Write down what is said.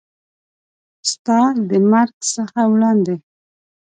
ستا د مرګ څخه وړاندې